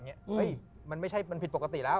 เอ้ยมันผิดปกติแล้ว